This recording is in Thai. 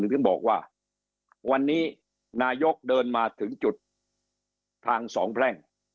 ถึงบอกว่าวันนี้นายกเดินมาถึงจุดทางสองแพร่ง